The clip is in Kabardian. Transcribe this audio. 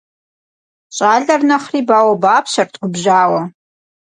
Щӏалэр нэхъри бауэбапщэрт губжьауэ.